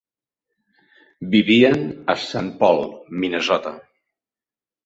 Vivien a Saint Paul, Minnesota.